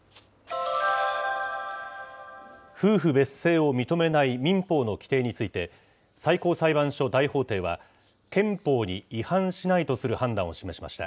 夫婦別姓を認めない民法の規定について、最高裁判所大法廷は、憲法に違反しないとする判断を示しました。